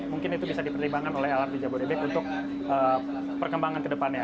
mungkin itu bisa dipertimbangkan oleh lrt jabodetabek untuk perkembangan ke depannya